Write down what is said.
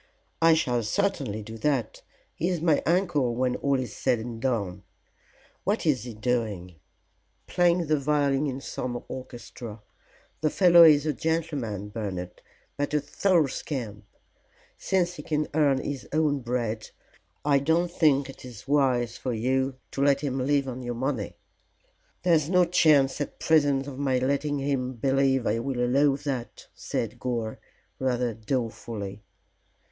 "I shall certainly do that. He is my uncle when all is said and done. What is he doing?" "Playing the violin in some orchestra. The fellow is a gentleman, Bernard, but a thorough scamp. Since he can earn his own bread I don't think it is wise for you to let him live on your money." "There's no chance at present of my letting him believe I will allow that," said Gore, rather dolefully.